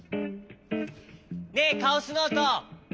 ねえカオスノート。